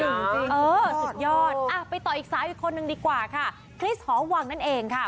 สุดยอดไปต่ออีกซ้ายคนหนึ่งดีกว่าค่ะคริสขอหวังนั่นเองค่ะ